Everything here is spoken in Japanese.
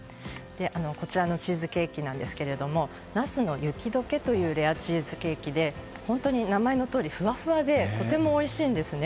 こちらのチーズケーキなんですが那須の雪解けというレアチーズケーキで本当に名前のとおりふわふわでとてもおいしいんです。